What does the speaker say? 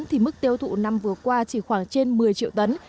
thì mức tiêu thụ năm vừa qua chỉ khoảng trên một mươi triệu tấn